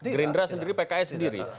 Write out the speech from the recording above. gerindra sendiri pks sendiri